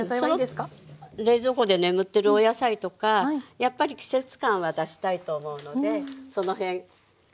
冷蔵庫で眠ってるお野菜とかやっぱり季節感は出したいと思うのでそのへん考えて。